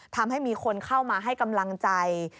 ทำให้มีคนเข้ามาให้กำลังใจ